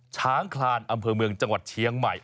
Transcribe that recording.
ช้างคลานอำเภอเมืองจังหวัดเชียงใหม่